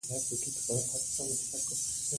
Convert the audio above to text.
په قلاره قلاره راشه